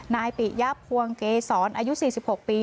นายปิยาพวงเกศรอายุ๔๖ปี